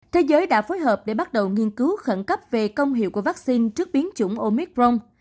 thế giới đã phối hợp để bắt đầu nghiên cứu khẩn cấp về công hiệu của vaccine trước biến chủng omicron